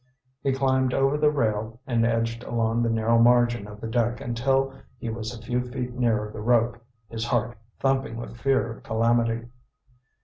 He climbed over the rail and edged along the narrow margin of the deck until he was a few feet nearer the rope, his heart thumping with fear of calamity.